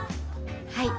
はい。